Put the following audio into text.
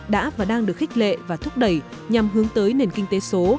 đã và đang được khích lệ và thúc đẩy nhằm hướng tới nền kinh tế số